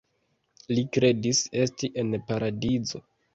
Li kredis esti en paradizo.